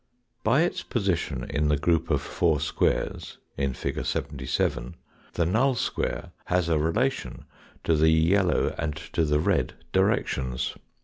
By its position in the group of four squares, in fig. 77, the null square has a relation to the yellow and to the red directions.